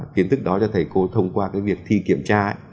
kiến thức đó cho thầy cô thông qua việc thi kiểm tra